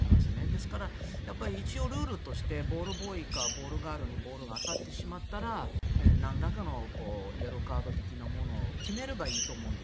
ですから、一応ルールとしてボールボーイかボールガールにボールが当たってしまったらなんらかのイエローカード的なものを決めればいいと思うんです。